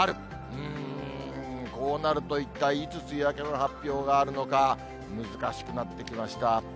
うーん、こうなると、一体いつ梅雨明けの発表があるのか、難しくなってきました。